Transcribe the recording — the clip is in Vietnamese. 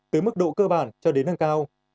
từ mức độ cơ bản cho đến năng cao